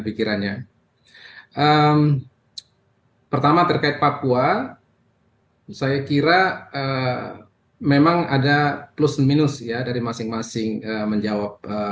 pertama terkait papua saya kira memang ada plus minus ya dari masing masing menjawab